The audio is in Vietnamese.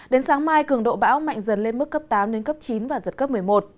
đến sáng mai cường độ bão mạnh dần lên mức cấp tám chín và giật cấp một mươi một